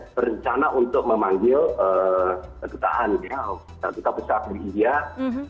berencana untuk memanggil ketahuan